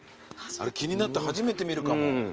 気になった初めて見るかも。